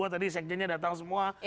tadi sekjennya datang semua